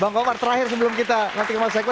bang komar terakhir sebelum kita